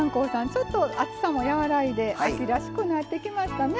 ちょっと暑さも和らいで秋らしくなってきましたね。